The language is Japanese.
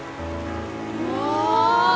うわ！